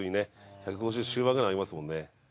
１５０中盤ぐらいありますもんね。